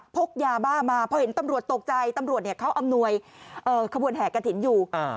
พกยาบ้ามาพอเห็นตำรวจตกใจตำรวจเขาอำนวยขบวนแห่กระถิ่นอยู่